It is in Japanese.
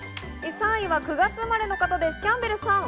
３位は９月生まれの方、キャンベルさん。